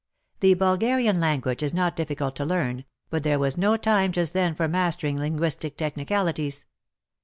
The Bulgarian language is not difficult to learn, but there was no time just then for mastering linguistic technicalities.